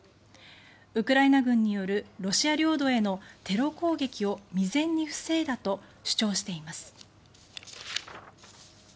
ウクライナ軍によるロシア領土へのテロ攻撃を未然に防いだと主張しています。